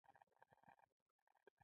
د مخ د توروالي لپاره د کچالو اوبه وکاروئ